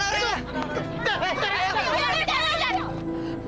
tidur tidur tidur tidur